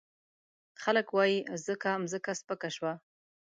خلګ وايي ځکه مځکه سپکه شوه.